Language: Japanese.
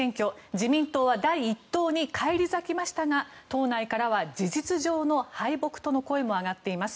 自民党は第１党に返り咲きましたが党内からは事実上の敗北との声も上がっています。